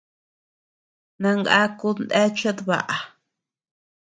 Nangakud neachead baʼa.